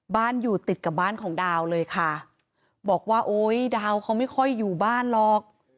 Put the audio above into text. บ้านอยู่ติดกับบ้านของดาวเลยค่ะบอกว่าโอ๊ยดาวเขาไม่ค่อยอยู่บ้านหรอก